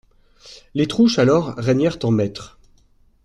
Les Trouche alors régnèrent en maîtres.